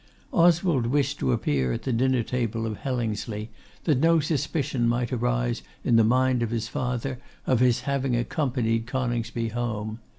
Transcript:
Oswald wished to appear at the dinner table of Hellingsley, that no suspicion might arise in the mind of his father of his having accompanied Coningsby home.